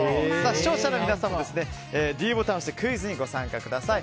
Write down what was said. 視聴者の皆さんもｄボタンを押してクイズにご参加ください。